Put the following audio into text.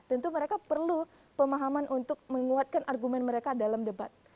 tentu mereka perlu pemahaman untuk menguatkan argumen mereka dalam debat